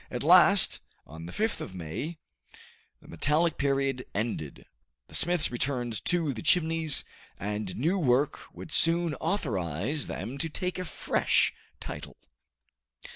At last, on the 5th of May, the metallic period ended, the smiths returned to the Chimneys, and new work would soon authorize them to take a fresh title.